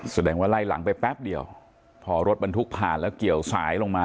แสดงว่าไล่หลังไปแป๊บเดียวพอรถบรรทุกผ่านแล้วเกี่ยวสายลงมา